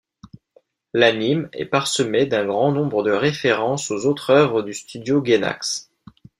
L'anime est parsemé d'un grand nombre de références aux autres œuvres du studio Gainax.